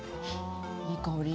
いい香り。